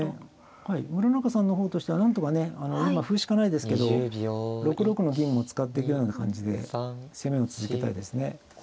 はい村中さんの方としてはなんとかね今歩しかないですけど６六の銀も使ってくような感じで攻めを続けたいですね。